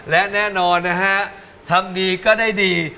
และแน่นอนนะฮะทำดีก็ได้ดี